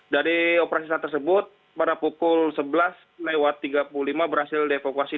dari operasi saat tersebut pada pukul sebelas lewat tiga puluh lima berhasil dievakuasi